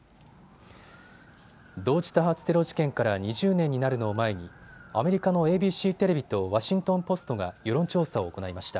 同時多発テロ事件から２０年になるのを前にアメリカのＡＢＣテレビとワシントン・ポストが世論調査を行いました。